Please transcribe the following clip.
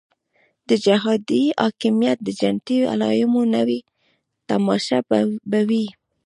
د جهادي حاکمیت د جنتي علایمو نوې تماشه به وي.